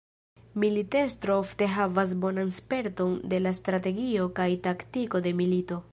Militestro ofte havas bonan sperton de la strategio kaj taktiko de milito.